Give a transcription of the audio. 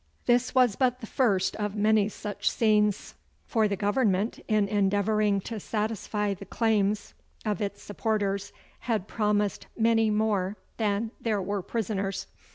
This was but the first of many such scenes, for the Government, in endeavouring to satisfy the claims of its supporters, had promised many more than there were prisoners.